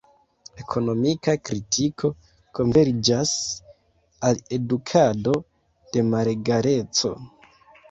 Ekonomika kritiko konverĝas al edukado de malegaleco.